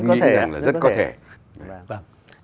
tôi nghĩ rằng là rất có thể